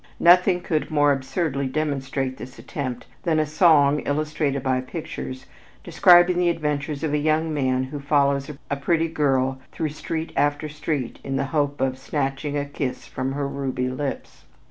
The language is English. Nothing could more absurdly demonstrate this attempt than a song, illustrated by pictures, describing the adventures of a young man who follows a pretty girl through street after street in the hope of "snatching a kiss from her ruby lips."